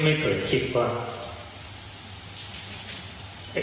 ไม่เคยคิดว่า